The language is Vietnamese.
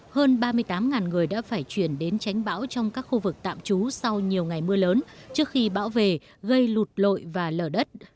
hơn ba mươi tám người đã phải chuyển đến tránh bão trong các khu vực tạm trú sau nhiều ngày mưa lớn trước khi bão về gây lụt lội và lở đất